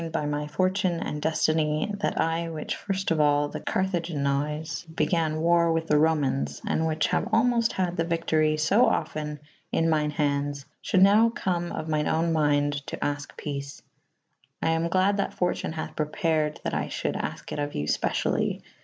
'^g° If it hathe ben ordeined by my fortune and defteny that I whiche fyrfte of all the Carthaginois began warre with the Romayns / and whiche haue almofte had the victory fo often in myne ha«des / fhuld now come of myne owne mynde to afke peace. I am glad that fortune hathe prepared that I f hulde afke it of you fpecially.